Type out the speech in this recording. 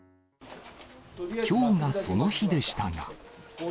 きょうがその日でしたが。